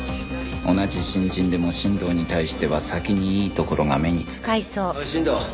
同じ新人でも新藤に対しては先にいいところが目につくおい新藤。